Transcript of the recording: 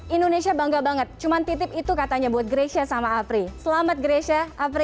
indonesia bangga banget cuman titip itu katanya buat gresha sama apri selamat grecia apri